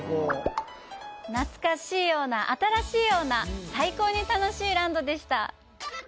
懐かしいような、新しいような最高に楽しいランドでした！